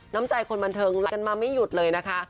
น้ำใจคนบันเทิงกันมาไม่หยุดเลยนะคะ